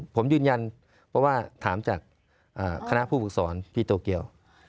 ผมยืนยันเพราะว่าถามจากคณะผู้ฝึกสอนพี่โตเกียว